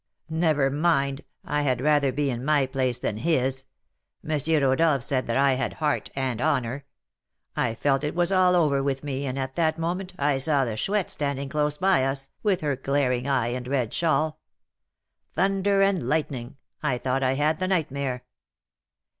Never mind, I had rather be in my place than his; M. Rodolph said that I had heart and honour.' I felt it was all over with me, and at that moment I saw the Chouette standing close by us, with her glaring eye and red shawl. Thunder and lightning! I thought I had the nightmare.